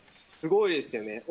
すごいですよね。